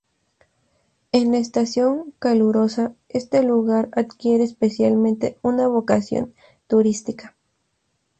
En la estación calurosa, este lugar adquiere especialmente una vocación turística.